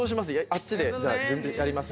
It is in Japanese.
あっちでじゃあやります？